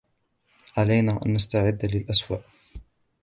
علينا أن نستعد للأسوء.